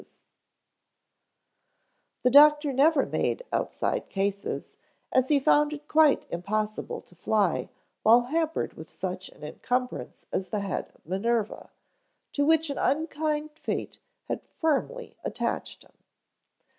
The Doctor never made outside cases, as he found it quite impossible to fly while hampered with such an incumbrance as the head of Minerva, to which an unkind fate had firmly attached him.